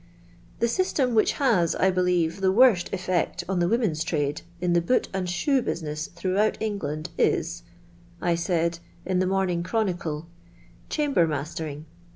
" The system which has, I believe, the worst effect on the women's trade in the boot and shoe bnsineu thronghout England is," I said in the Morning Chronicle, "chamber mastering.